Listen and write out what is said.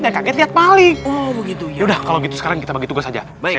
lihat paling oh gitu udah kalau gitu sekarang kita bagi tugas aja baik